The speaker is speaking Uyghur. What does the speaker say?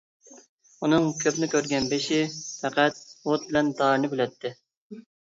ئۇنىڭ كۆپنى كۆرگەن بېشى پەقەت ئوت بىلەن دارنى بىلەتتى.